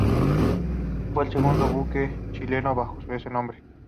Fue el segundo buque chileno bajo ese nombre.